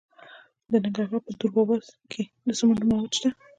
د ننګرهار په دور بابا کې د سمنټو مواد شته.